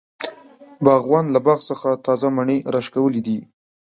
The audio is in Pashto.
باغوان له باغ څخه تازه مڼی راشکولی دی.